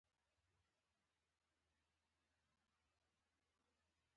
د تبه لرونکي ناروغ لپاره د بید پوستکی وکاروئ